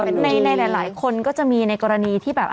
ไม่แต่ว่าในหลายคนก็จะมีในกรณีที่แบบ